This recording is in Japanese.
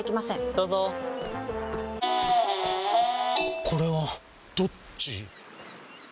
どうぞこれはどっち？